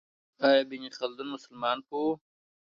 آیا ابن خلدون مسلمان پوه و؟